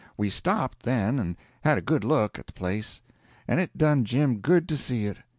We stopped, then, and had a good look at the place, and it done Jim good to see it.